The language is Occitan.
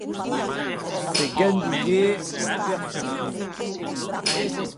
S'ajoquèc entath sòn hilh.